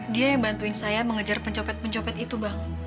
dia yang bantuin saya mengejar pencopet pencopet itu bang